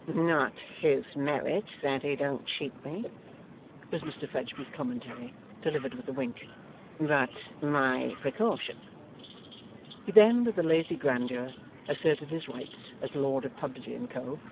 'Not his merit that he don't cheat me,' was Mr Fledgeby's commentary delivered with a wink, 'but my precaution.' He then with a lazy grandeur asserted his rights as lord of Pubsey and Co.